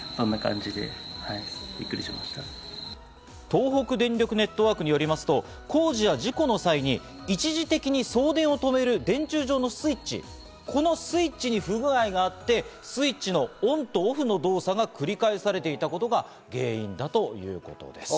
東北電力ネットワークによりますと、工事や事故の際に一時的に送電を止める電柱上のスイッチ、このスイッチに不具合があって、スイッチのオンとオフの動作が繰り返されていたことが原因だということです。